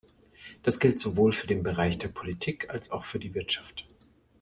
Das gilt sowohl für den Bereich der Politik als auch für die Wirtschaft.